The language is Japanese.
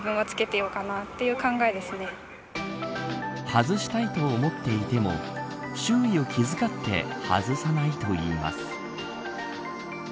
外したいと思っていても周囲を気遣って外さないといいます。